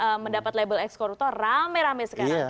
yang mendapat label ex koruptor rame rame sekarang